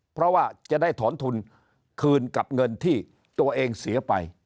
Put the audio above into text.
เพราะว่าจะได้ถอนทุนคืนกับเงินที่ตัวเองเสียไป